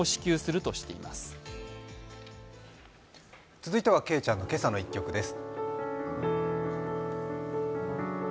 続いては、けいちゃんの今朝の一曲です。